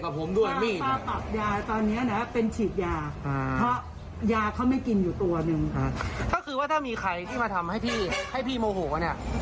ก็คือว่าถ้ามีใครที่มาทำให้พี่ให้พี่โมโหเนี่ย